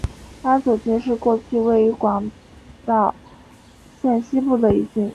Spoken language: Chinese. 安佐郡是过去位于广岛县西部的一郡。